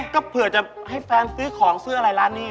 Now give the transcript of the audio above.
ก็เผื่อจะให้แฟนซื้อของซื้ออะไรร้านนี้